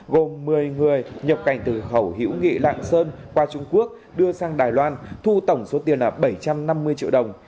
gồm một mươi người nhập cảnh từ khẩu hiễu nghị lạng sơn qua trung quốc đưa sang đài loan thu tổng số tiền là bảy trăm năm mươi triệu đồng